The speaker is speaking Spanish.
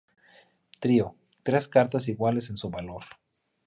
Trío: tres cartas iguales en su valor.